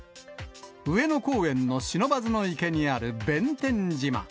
上野公園の不忍池にある弁天島。